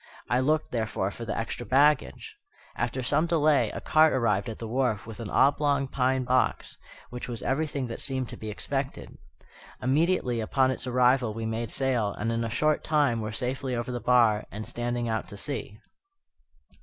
I looked, therefore, for the extra baggage. After some delay a cart arrived at the wharf with an oblong pine box, which was everything that seemed to be expected. Immediately upon its arrival we made sail, and in a short time were safely over the bar and standing out to sea.